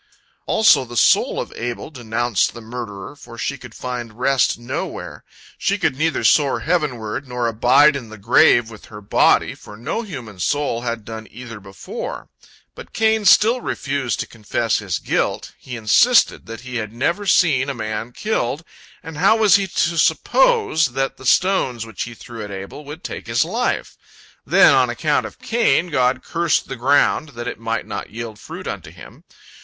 Also the soul of Abel denounced the murderer, for she could find rest nowhere. She could neither soar heavenward, nor abide in the grave with her body, for no human soul had done either before. But Cain still refused to confess his guilt. He insisted that he had never seen a man killed, and how was he to suppose that the stones which he threw at Abel would take his life? Then, on account of Cain, God cursed the ground, that it might not yield fruit unto him.